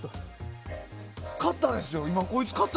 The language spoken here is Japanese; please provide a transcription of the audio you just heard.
買ったんですよ。